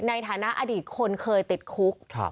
ในฐานะอดีตคนเคยติดคุก